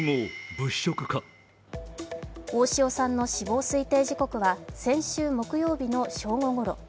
大塩さんの死亡推定時刻は先週木曜日の正午ごろ。